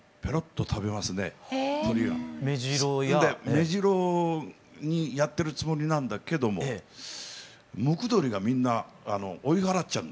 メジロにやってるつもりなんだけどもムクドリがみんな追い払っちゃう。